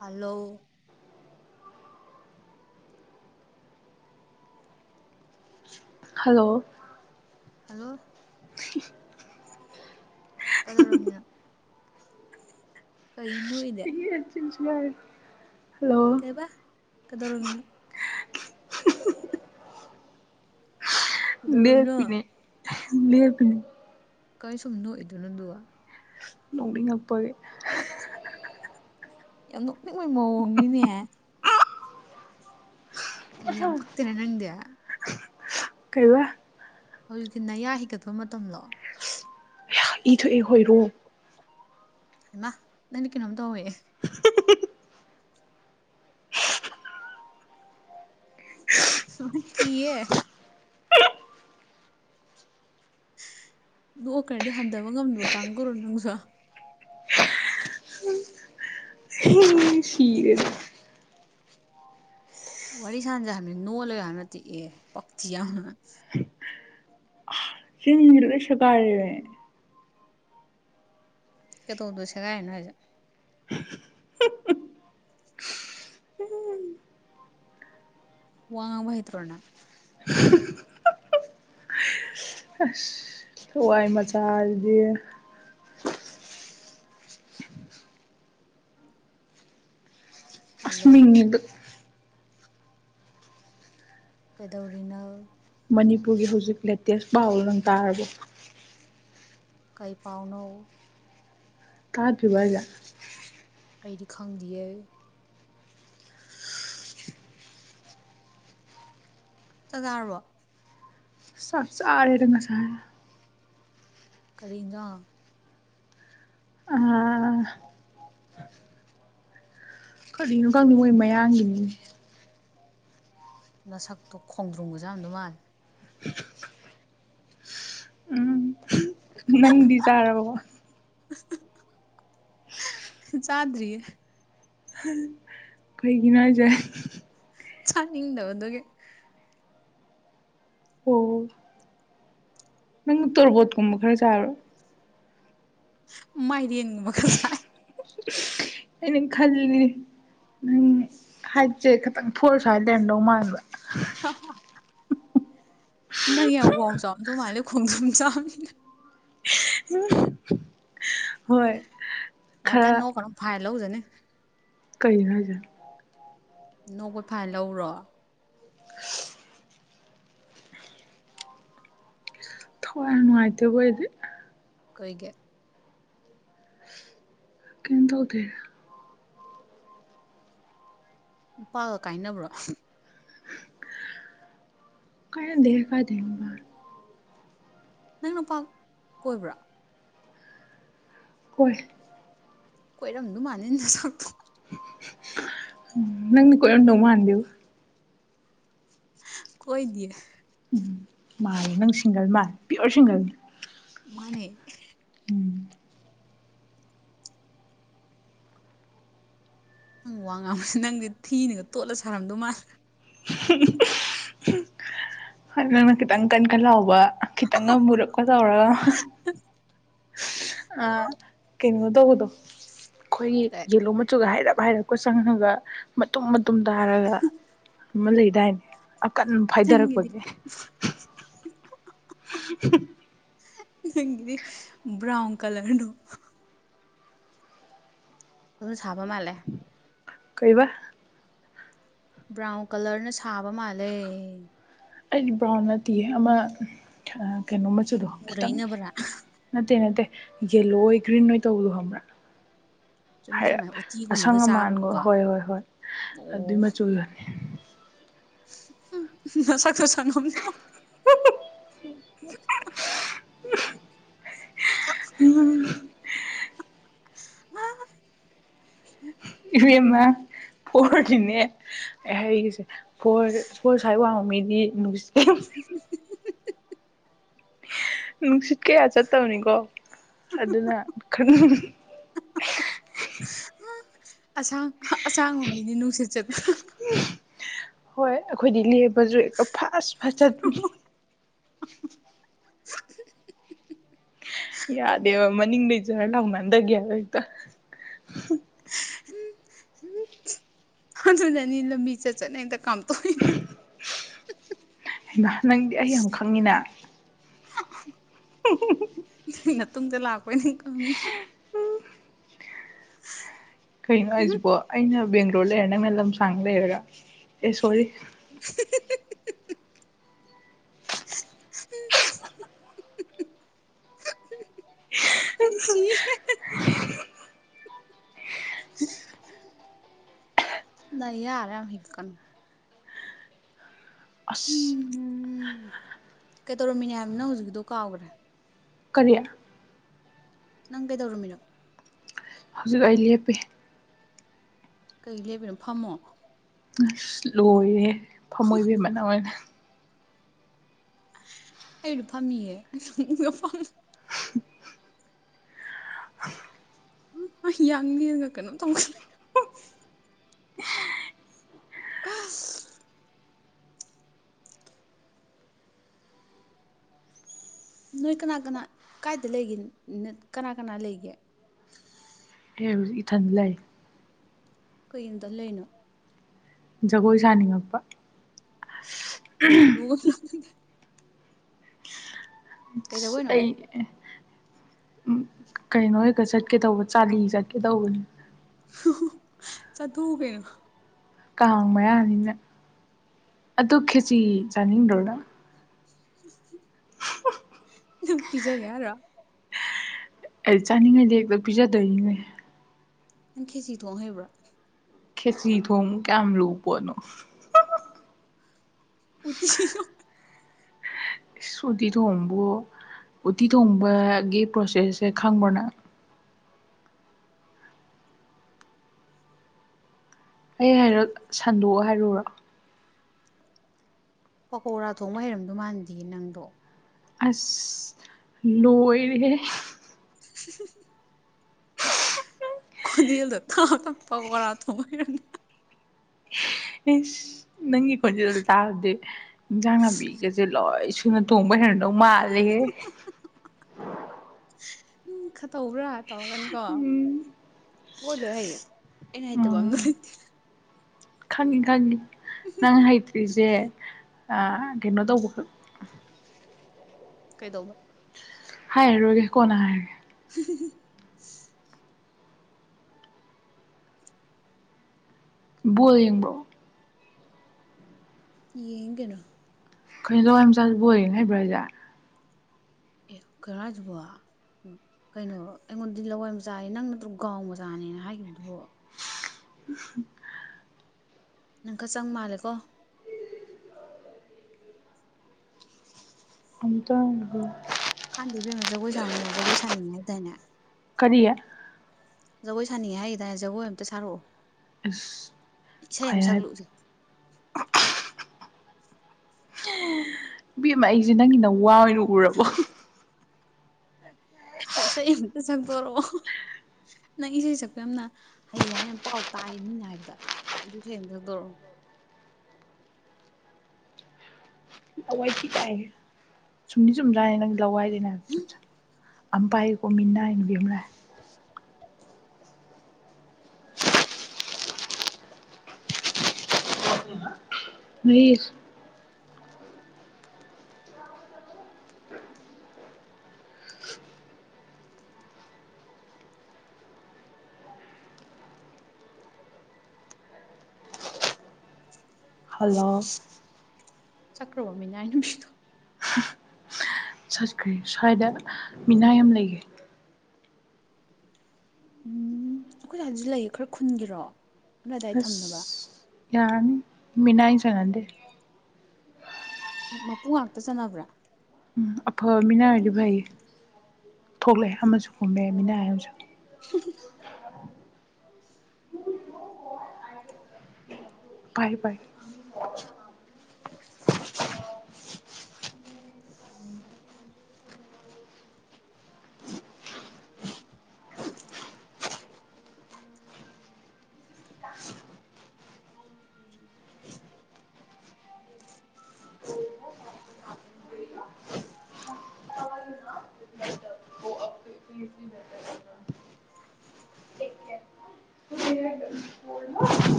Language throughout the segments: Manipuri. ꯍꯜꯂꯣ ꯍꯜꯂꯣ ꯍꯜꯂꯣ ꯀꯗꯧꯔꯕꯃꯤꯅꯣ ꯀꯩꯅꯏꯅꯦ ꯍꯜꯂꯣ ꯀꯗꯧꯔꯃꯤꯅꯣ ꯀꯩꯗꯧꯔꯝꯃꯤꯅꯣ ꯅꯦꯄꯤꯅꯦ ꯅꯄꯤꯅꯦ ꯀꯔꯤ ꯁꯨꯝ ꯅꯣꯛꯏꯗꯨꯅꯗꯨꯋꯥ ꯅꯣꯛꯅꯤꯡꯉꯛꯄꯒꯤ ꯌꯥꯝ ꯅꯣꯛꯅꯤꯡꯕꯩ ꯃꯑꯣꯡꯅꯤꯅꯦ ꯌꯥꯝ ꯐꯛꯇ ꯅ ꯅꯪꯗꯦ ꯀꯩꯕ ꯍꯧꯖꯤꯛꯇꯤ ꯅꯌꯥ ꯍꯤꯒꯠꯄ ꯃꯇꯝꯂꯣ ꯏꯊ ꯏ ꯍꯣꯏꯔꯣ ꯍꯥꯏꯃ ꯅꯅꯤ ꯀꯅꯣꯝ ꯇꯧꯋꯦ ꯁꯅ ꯀꯌꯦ ꯅꯣꯛꯈꯔꯗꯤ ꯍꯟꯊꯕ ꯉꯝꯗꯕ ꯀꯥꯡꯈꯔꯣ ꯅꯪꯁꯨ ꯁꯤꯔꯦꯗ ꯋꯥꯔꯤꯔꯤ ꯁꯥꯟꯖ ꯍꯥꯏ ꯅꯣꯡꯂꯣ ꯍꯥꯏꯅ ꯑꯦ ꯄꯛꯊꯤ ꯌꯥꯎꯅ ꯁꯤ ꯅꯤꯡꯗ ꯁ ꯀꯔꯦꯦ ꯇꯣꯁꯦ ꯀꯥꯏꯅ ꯍꯥꯏ [inaudible] ꯋꯥꯉ ꯃꯍꯍꯤ ꯇ꯭ꯔꯣꯅ ꯍꯋꯥꯏ ꯃꯆꯥ ꯍꯥꯏꯗꯤ ꯍꯜꯂꯣ ꯑꯁꯃꯤꯤꯡ ꯑꯗꯨ ꯀꯩꯗꯧꯔꯤꯅꯣ ꯃꯅꯤꯄꯨꯔꯒꯤ ꯍꯧꯖꯤꯛ ꯂꯦꯇꯦꯁ ꯄꯥꯎꯜ ꯂ ꯇꯥꯔꯕꯣ ꯀꯩ ꯄꯥꯎꯅꯧ ꯀꯥꯖꯕꯖ ꯑꯩꯗꯤ ꯈꯪꯗꯌꯦ ꯆꯥꯆꯥꯔꯕꯣ ꯁꯥꯛ ꯆꯥꯔꯦ ꯗꯥ ꯉꯁꯥꯏꯅ ꯀꯔꯤꯗꯣ ꯑꯥ ꯀꯔꯤꯅꯣ ꯈꯪꯗꯦ ꯉꯣꯏ ꯃꯌꯥꯡꯒꯤꯅꯤꯅꯦ ꯅꯁꯛꯇꯣ ꯈꯣꯡꯗ꯭ꯔꯨꯡꯒꯖꯥꯝꯗꯣ ꯃꯥꯜꯂꯦ ꯅꯪꯗꯤꯖꯥꯔꯕꯣ ꯆꯥꯗꯔꯤꯌꯦ ꯀꯩꯒꯤꯅꯣ ꯍꯥꯏꯁꯦ ꯆꯥꯅꯤꯪꯗꯕ ꯁꯨꯒꯤ ꯑꯣ ꯅꯪ ꯇꯣꯔꯕꯣꯠꯀꯨꯝꯕ ꯈꯔ ꯆꯔꯣ ꯃꯥꯏꯗꯤꯟ ꯃꯈ ꯀꯁꯥꯏ ꯑꯩꯅ ꯈꯜꯂꯤ ꯅꯪ ꯍꯥꯏꯁꯦ ꯈꯤꯇꯪ ꯊꯣꯔꯁꯨ ꯍꯥꯏꯗꯔꯝꯗꯧ ꯃꯥꯟꯕ ꯍ ꯅ ꯌꯥ ꯑꯥꯎꯁ ꯑꯁꯨꯧ ꯃꯥꯂꯦ ꯈꯣꯡ ꯊ ꯆ ꯎꯝ ꯌꯥꯝ ꯀ ꯅꯣ ꯀꯩꯅꯣ ꯐꯥꯏꯜ ꯂꯧꯖꯅꯤ ꯀꯩ ꯉꯖ ꯅꯧꯕ ꯐꯥꯏꯜ ꯂꯧꯔꯣ ꯊꯋꯥꯏ ꯅꯨꯡꯉꯥꯏꯇꯦꯕꯣꯗꯤ ꯀꯣꯏꯒꯦ ꯀꯦꯟꯗꯣꯗ ꯅꯨꯄꯥꯒ ꯀꯥꯏꯅꯕ꯭ꯔꯣ ꯀꯩꯅ ꯗꯦꯥ ꯊꯕꯔ ꯅꯪ ꯅꯨꯄꯥ ꯀꯣꯏꯕ꯭ꯔꯥ ꯍꯣꯏ ꯀꯣꯏꯔꯝꯗꯨ ꯃꯥꯥꯟꯅꯤꯅ ꯆꯥꯛꯄ ꯅꯪꯅꯤ ꯀꯗꯧ ꯃꯥꯅꯗꯕ ꯀꯣꯏꯗꯌꯦ ꯎ ꯃꯥꯅꯦ ꯅꯪ ꯁꯤꯡꯒꯜ ꯃꯥ ꯄꯤꯌꯣꯔ ꯁꯤꯡꯒꯜ ꯃꯅꯦ ꯅꯪ ꯋꯥ ꯉꯥꯡꯕꯁꯦ ꯅꯪꯗꯤ ꯊꯤꯅꯒ ꯇꯣꯠꯂ ꯁꯥꯔꯝꯗꯧ ꯃꯥꯜꯂꯦ ꯅꯅ ꯈꯤꯇꯪ ꯀꯟꯀꯜꯂꯥꯎꯕ ꯈꯤꯇꯪ ꯉ ꯄꯨꯔꯛꯄ ꯇꯧꯔꯒ ꯑ ꯀꯩꯅꯣ ꯇꯧꯕꯗꯣ ꯑꯩꯈꯣꯏꯒꯤ ꯌꯦꯜꯂꯣ ꯃꯆꯨꯒ ꯍꯥꯏꯔꯞ ꯍꯥꯏꯔꯞꯄ ꯆꯪꯉꯒ ꯃꯇꯨꯝ ꯇꯨꯝ ꯇꯔꯒ ꯑꯃ ꯂꯩꯗꯥꯏꯅꯤ ꯑꯀꯟ ꯅꯪꯒꯤꯗꯤ ꯐꯥꯏꯊꯔꯛꯄꯒꯤ [unintelligible] [unintelligible] ꯭ꯔꯥꯎꯟ ꯀꯂꯔ ꯅ ꯑꯗꯨ ꯆꯕ ꯃꯥ ꯂꯩꯦ ꯀꯕꯥ ꯕ꯭ꯔꯥꯎꯟ ꯀꯂꯔꯅ ꯁꯥꯕ ꯃꯥꯜꯂꯦ ꯑꯩꯗꯤ ꯕ꯭ꯔꯥꯎꯟ ꯅꯠꯇꯦ ꯑꯃ ꯀꯩꯅꯣ ꯃꯆꯨꯗꯣ ꯈꯤꯇꯪ ꯃꯨꯔꯩꯅꯕ꯭ꯔꯥ ꯅꯠꯇꯦ ꯅꯠꯇꯦ ꯌꯦꯜꯂꯣ ꯑꯣꯏꯒ꯭ꯔꯤꯟ ꯅꯣꯏ ꯇꯧꯕꯗꯨ ꯍ ꯆꯨꯝꯃꯦ ꯆꯨꯝꯃꯦ ꯍꯥꯏꯔꯛꯦ ꯑꯁꯪ ꯎꯇꯤꯒꯨꯝꯕꯒ ꯑꯃꯥꯟꯒꯣ ꯆꯥꯕꯒꯤꯀꯣ ꯍꯣꯏ ꯍꯣꯏ ꯍꯣꯏ ꯑꯗꯨꯏ ꯃꯆꯨꯒꯣꯅꯤ [inaudible] ꯅ ꯆꯒ ꯁꯅ ꯎ ꯎꯝ ꯑ ꯏꯦꯝꯃ ꯐꯣꯔꯒꯤꯅꯦ ꯑꯩ ꯍꯒꯤꯁꯦ ꯐꯣꯔ ꯐꯣꯔ ꯁ꯭ꯋꯥꯏ ꯋꯥꯡꯕ ꯃꯤꯗꯤ [unintelligible] ꯅꯨꯡꯁꯤꯠ ꯀꯌꯥ ꯆꯠꯇꯕꯅꯤꯀꯣ ꯑꯗꯨꯗꯅ ꯀ ꯑꯁꯥꯡ ꯑꯁꯥꯡꯕꯣꯝ ꯃꯤꯅꯤ ꯅꯨꯡꯁꯤꯠ ꯆꯠꯇꯅꯥ ꯍꯣꯏ ꯑꯩꯈꯣꯏꯗꯤ ꯂꯦꯕꯁꯨ ꯍꯦꯛꯇ ꯐꯁ ꯐ ꯆꯠ [unintelligible] ꯌꯥꯗꯦꯕ ꯃꯅꯤꯡ ꯂꯩꯖꯔ ꯂꯥꯎꯅꯟꯗꯒꯦꯗꯣ ꯍꯦꯛꯇ ꯑꯗꯨ ꯅꯅꯤ ꯂꯃꯤꯆꯔ ꯆꯅ ꯀꯝ ꯊ ꯃ ꯅꯪꯗꯤ ꯑꯩ ꯌꯥꯝ ꯈꯪꯉꯤꯅꯦ ꯇꯝ ꯂꯥꯛꯄꯣꯏꯅꯦ ꯀꯪ ꯀꯩꯅꯣ ꯍꯥꯏꯁꯤꯕꯣ ꯑꯩꯅ ꯕꯦꯡꯒ꯭ꯂꯣꯔ ꯂꯩꯔ ꯅꯪꯅ ꯂꯝꯁꯥꯡ ꯂꯩꯔꯒ ꯑꯦ ꯁꯣꯔꯤ ꯑꯩ ꯁꯤꯌꯦ ꯅ ꯌꯥꯔꯦ ꯌꯥꯝ ꯍꯤꯜꯀꯅ ꯑꯁ ꯎꯝꯝ ꯀꯩꯇꯧꯔꯝꯃꯤꯅꯦ ꯍꯥꯏꯕꯅ ꯍꯧꯖꯤꯛꯀꯤꯗꯣ ꯀꯥꯎꯈ꯭ꯔꯦ ꯀꯔꯤꯌꯥ ꯅꯪ ꯀꯩꯗꯧꯔꯃꯤꯅꯣ ꯍꯧꯖꯤꯛ ꯑꯩ ꯂꯦꯞꯄꯤꯦ ꯀꯩ ꯂꯩꯕꯅꯣ ꯐꯝꯃꯣ ꯂꯣꯏꯔꯦ ꯐꯃꯣꯏꯕꯤ ꯃꯅ ꯑꯣꯏꯅ ꯑꯩꯔ ꯐꯝꯃꯤꯌꯦꯦ ꯐ ꯌꯥꯡ ꯌꯦꯒ ꯀꯩꯅꯣ ꯇ ꯀ ꯅꯣꯏ ꯀꯅꯥ ꯀꯅꯥ ꯀꯥꯏꯗ ꯂꯩꯒꯦ ꯀꯅꯥ ꯀꯅꯥ ꯂꯩꯒꯦ ꯍ ꯏꯊꯟ ꯂꯩ ꯀꯩꯝꯇ ꯂꯩꯅꯣ ꯖꯒꯣꯏ ꯁꯥꯅꯤꯡꯉꯛꯄ ꯑ ꯑꯗ ꯀꯩ ꯑꯁ ꯑꯩ ꯖꯒꯣꯏꯅꯣ ꯎꯝ ꯀꯩꯅꯣ ꯍꯒ ꯆꯠꯀꯦ ꯇꯧꯕ ꯆꯥꯂꯤ ꯆꯠꯀꯦ ꯇꯧꯕꯅꯤ ꯆꯥꯠꯊꯣꯛꯎ ꯀꯩꯅꯣ ꯀꯥꯡ ꯃꯌꯥꯅꯤꯅ ꯑꯗꯨ ꯈꯦꯆꯤ ꯆꯥꯅꯤꯡꯗ꯭ꯔꯣꯅ [inaudible] [inaudible] ꯄꯤꯖꯥꯒ ꯌꯥꯔ ꯑꯩ ꯆꯥꯅꯤꯡꯉꯩꯗꯤ ꯍꯦꯛꯇ ꯄꯤꯖꯗꯣꯏꯅꯤꯉ ꯌꯥꯝ ꯈꯦꯁꯤ ꯊꯣꯡ ꯍꯩꯕ꯭ꯔꯥ ꯈꯦꯆꯔꯤ ꯊꯨ ꯀꯃ ꯔꯨꯕꯣꯅꯣ ꯎ ꯁꯗꯤ ꯊꯣꯡꯕ ꯎꯠꯇꯤ ꯊꯣꯡꯕꯒꯤ ꯄ꯭ꯔꯣꯁꯦꯁꯁꯦ ꯈꯪꯕ꯭ꯔꯅ ꯑꯩ ꯍꯥꯏꯔꯛ ꯁꯟꯗꯣꯛꯑꯣ ꯍꯥꯏꯔꯨꯔꯣ ꯄꯀꯧꯔꯥ ꯊꯣꯡꯕ ꯍꯩꯔꯝꯗꯣ ꯃꯥꯟꯗꯌꯦ ꯅꯪꯗꯣ ꯑꯁ ꯂꯣꯏꯔꯦ [inaudible] ꯈꯣꯟꯗꯤꯗ ꯊ ꯊꯄ ꯊꯣꯏꯔꯅꯤ ꯑꯦ ꯅꯪꯒꯤ ꯈꯣꯟꯖꯦꯜꯗ ꯆꯥꯔꯗꯤ ꯏꯟꯖꯥꯡ ꯅꯥꯕꯤꯒꯁꯦ ꯂꯣꯏ ꯁ ꯁꯤ ꯇꯣꯡꯝꯕ ꯍꯅꯣ ꯃꯥ ꯂꯩꯦ ꯈꯔ ꯇꯧꯕ꯭ꯔꯥ ꯇꯧꯔꯒꯅꯤꯀꯣ ꯎꯝ ꯂꯣꯏ ꯂꯣꯏ ꯍꯌꯦꯡ ꯌꯦꯅꯥꯏꯇꯣ ꯎꯝ ꯃꯪꯔ ꯏꯗꯔ ꯈꯪꯉꯤ ꯈꯪꯉꯤ ꯅꯪ ꯍꯩꯇ꯭ꯔꯤꯁꯦ ꯀꯦꯝꯅꯗꯧꯕꯕꯈ ꯀꯩꯗꯧꯕ ꯍꯥꯏꯥꯏ ꯔꯒꯦ ꯀꯣꯅ ꯍꯥꯏꯔꯒꯦ [inaudible] ꯣꯜ ꯌꯦꯡꯕ꯭ꯔꯣ ꯌꯦꯡꯒꯩꯅꯣ ꯑꯩꯈꯣꯏꯅ ꯂꯋꯥꯏ ꯃꯆꯥꯁꯨꯕꯨ ꯑꯣꯏꯔꯦ ꯍꯥꯏꯩꯕ꯭ꯔꯥ ꯍꯥꯏꯁꯦ ꯑꯦ ꯀꯔꯖꯕ ꯎ ꯀꯩꯅꯣ ꯑꯩꯉꯣꯟꯗꯤ ꯂꯋꯥꯏ ꯃꯆꯥꯅꯤ ꯅꯪ ꯅꯠꯇ꯭ꯔꯣ ꯒꯥꯎ ꯃꯆꯥꯅꯦꯅ ꯍꯥꯏꯈꯤꯕꯗꯨꯕ ꯅꯪ ꯈꯔ ꯆꯪ ꯃꯥꯜꯂꯦꯀꯣ ꯑꯝꯇ ꯀꯥꯟꯗꯦꯕꯤꯦꯝꯃ ꯖꯒꯣꯏ ꯁꯥꯎꯅꯦ ꯖꯒꯣꯏ ꯁꯥꯅꯤꯡꯉꯦ ꯍꯥꯏꯇꯥꯅꯦ ꯀꯔꯤꯌꯥ ꯖꯒꯣꯏ ꯁꯥꯅꯤꯡꯉꯦ ꯍꯥꯏꯗꯅ ꯖꯒꯣꯏ ꯑꯝꯇ ꯁꯥꯔꯛꯑꯣ ꯏꯁꯩ ꯑꯃ ꯀꯌꯥ ꯁꯛꯂꯛꯎꯁꯦ ꯕꯤ ꯑꯃ ꯑꯩꯁꯦ ꯅꯪꯒꯤ ꯅ ꯋꯥ ꯑꯣꯏꯅ ꯎꯔꯕꯣ ꯁꯤ ꯁꯩ ꯃꯠꯇ ꯆꯪꯄꯔꯕꯣ ꯅꯪ ꯏꯁꯩꯦ ꯁꯛꯄ ꯌꯥꯝꯅ ꯍꯩ ꯍꯥꯏꯅ ꯄꯥꯎ ꯇꯥꯛ ꯃꯤꯅ ꯍꯥꯏꯕꯗ ꯑꯗꯨ ꯊꯗꯧꯔꯣ ꯁꯨꯝꯗꯤ ꯆꯨꯝꯗ꯭ꯔꯥꯅꯤ ꯅꯪꯗꯤ ꯂꯋꯥꯏꯗꯅꯦ ꯆꯨꯝ ꯑꯝꯕꯥꯥꯏ ꯀꯣꯃꯤ ꯏꯟꯕꯤ ꯑꯃꯅ ꯃꯤ ꯍꯜꯂꯣ ꯆꯀ꯭ꯔꯣ ꯃꯝꯃꯤ ꯅꯅ ꯁꯤꯊ ꯆꯠꯈ꯭ꯔꯦ ꯁ꯭ꯋꯥꯏꯗ ꯃꯤꯅꯥ ꯌꯥꯝ ꯂꯩꯒꯦ ꯎꯝ ꯑꯩꯈꯣꯏ ꯁꯁꯨ ꯂꯩꯌꯦ ꯈꯔ ꯈꯨꯟꯒꯤꯔꯣ ꯑꯗꯨ ꯑꯗꯥꯏ ꯑꯁ ꯊꯝꯅꯕ ꯌꯥꯔꯅꯤ ꯃꯤꯅꯥ ꯍ ꯁꯗ ꯃꯄꯨ ꯉꯥꯛꯇ ꯆꯠꯅꯕ꯭ꯔꯥ ꯎꯝ ꯑꯐꯕ ꯃꯤꯅꯔꯗꯤ ꯐꯩ ꯊꯣꯛꯂꯛꯑꯦ ꯑꯃꯁꯨ ꯀꯨꯝꯃꯦ ꯃꯤꯅꯥ ꯑꯃꯁꯨ ꯎꯝ ꯄꯥꯏ ꯄꯥꯏ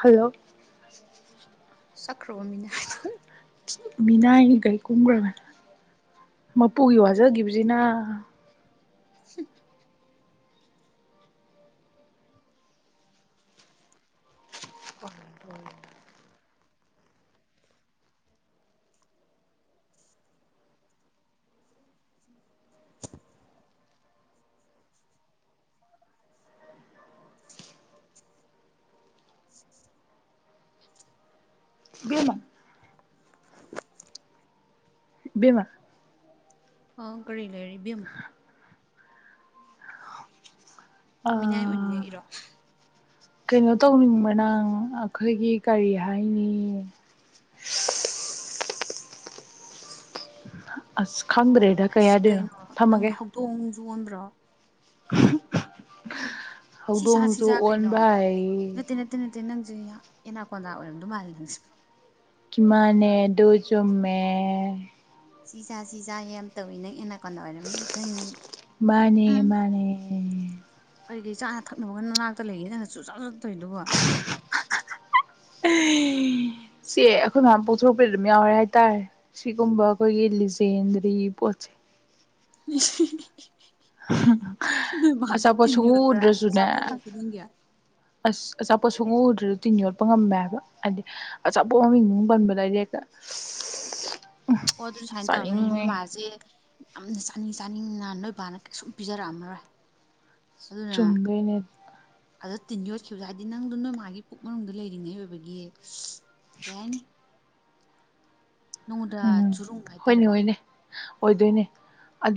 ꯍꯜꯂꯣ ꯆꯠꯈ꯭ꯔꯕ ꯃꯤꯅꯥꯢꯗꯣ ꯃꯤꯅꯥꯏꯅꯤ ꯀꯩ ꯀꯨꯝꯈ꯭ꯔꯕꯅ ꯃꯄꯨꯒꯤ ꯋꯥꯖꯈꯤꯕꯁꯤꯅ ꯍ ꯏꯕꯦꯝꯃ ꯕꯦꯝꯃ ꯍꯥꯎ ꯀꯔꯤ ꯂꯩꯔꯤꯕꯦꯝ ꯅꯪ ꯃꯤꯅꯥꯏ ꯑꯥ ꯑꯣꯏꯅꯤꯡꯉꯛ ꯏꯔꯣ ꯀꯩꯅꯣ ꯇꯧꯅꯤꯡꯕ ꯅꯪ ꯑꯩꯈꯣꯏꯒꯤ ꯀꯔꯤ ꯍꯥꯏꯅꯤ [inaudible] ꯑꯁ ꯈꯪꯗ꯭ꯔꯦꯗ ꯀꯩ ꯑꯁ ꯍꯥꯏꯗꯣꯏꯅꯣ ꯀꯩꯅꯣ ꯅꯪ ꯊꯝꯃꯒꯦ ꯍꯧꯗꯣꯡ ꯌꯣꯟꯕ꯭ꯔꯣ ꯎ ꯁꯤ ꯁꯥ ꯁꯤꯖꯥ ꯀꯩꯅꯣ ꯑꯣꯟꯕ ꯅꯠꯇꯦ ꯍꯩ ꯅꯠꯇꯦ ꯅꯠꯇꯦ ꯅꯪ ꯑꯦꯅꯥꯀꯣꯟꯗꯥ ꯑꯣꯏꯔꯝꯗꯨ ꯃꯥꯜꯁ ꯀꯤꯃꯥꯅꯦ ꯗꯨꯖꯝꯃꯦ ꯁꯤ ꯆꯥ ꯁꯤ ꯆꯥ ꯌꯥꯝ ꯌꯥꯝ ꯇꯧꯏꯤ ꯅꯪ ꯑꯦꯅꯥ ꯀꯣꯟꯅꯥ ꯑꯣꯏꯔꯝꯅꯦ ꯑꯩ ꯈꯪꯉꯤ ꯎꯝ ꯎ ꯀꯔꯤ ꯀ ꯆꯥꯅ ꯊꯛꯅꯕꯒꯅ ꯅꯅꯥꯛꯇ ꯂꯩꯒ ꯅꯪꯁꯨꯨ ꯆꯥ ꯆꯠꯇꯣꯏꯗꯨꯕ ꯁꯤ ꯑꯩꯈꯣꯏ ꯃꯌꯥꯝ ꯄꯣꯛꯊꯣꯔꯄ ꯑꯗꯨꯝ ꯌꯥꯎꯔꯦ ꯍꯥꯏꯇꯥꯔꯦ ꯁꯤꯒꯨꯝꯕ ꯑꯩꯈꯣꯏꯒꯤ ꯂꯤꯖꯦꯟꯗꯔꯤ ꯄꯣꯁꯦ ꯁꯍꯍꯍ ꯑꯆꯥꯄꯣꯠ ꯇꯤꯟ ꯁꯨꯡꯎ ꯌꯣꯠꯄ꯭ꯔꯥ ꯎꯗ꯭ꯔꯁꯨꯅꯦ ꯑꯆꯥꯄꯣꯠ ꯎ ꯈꯨꯗꯤꯡꯒꯤ ꯑꯁ ꯑꯆꯥꯄꯣꯠ ꯁꯨꯡꯎꯗ꯭ꯔꯁꯨ ꯇꯤꯟ ꯌꯣꯠꯄ ꯉꯝꯃꯦ ꯍꯥꯏꯕ ꯍꯥꯏꯗꯤ ꯑꯆꯥꯄꯣꯠ ꯃꯃꯤꯡ ꯅꯨꯡ ꯄꯟꯕꯗꯔꯦꯛꯇ ꯑꯣ ꯑꯗꯨ ꯁꯨꯃꯥꯏꯅ ꯇꯧꯔꯝꯝꯕꯅꯤ ꯑꯗꯨ ꯃꯥꯁꯦ ꯌꯥꯝꯅ ꯆꯥꯅꯤ ꯆꯥꯅꯤꯡꯅ ꯅꯣꯏꯕꯥꯅ ꯀꯩꯁꯨꯝ ꯄꯤꯖꯔꯛꯑꯝꯃꯔꯣꯏ ꯑꯗꯨꯅ ꯆꯨꯝꯗꯣꯢꯅꯦ ꯑꯗ ꯇꯤꯟ ꯌꯣꯠꯈꯤꯕꯁꯨ ꯍꯥꯏꯗꯤ ꯅꯪꯗꯣ ꯅꯣꯏ ꯃꯥꯒꯤ ꯄꯨꯛ ꯃꯅꯨꯡꯗ ꯂꯩꯔꯤꯉꯩ ꯑꯣꯏꯕꯒꯤ ꯀꯩꯍꯥꯢꯅꯤ ꯅꯣꯡꯗ ꯎꯝ ꯆꯨꯔꯨꯡꯕ ꯍꯣꯏꯅꯦ ꯍꯥꯏꯇꯥꯔꯦꯀꯣ ꯍꯣꯏꯅꯦ ꯑꯣꯏꯗꯣꯏꯅꯦ ꯑꯗꯨ